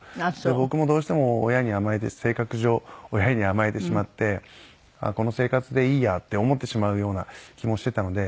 僕もどうしても親に甘えて性格上親に甘えてしまってこの生活でいいやって思ってしまうような気もしてたので。